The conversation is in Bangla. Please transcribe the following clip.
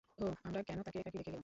ওহ, আমরা কেনো তাকে একাকী রেখে গেলাম?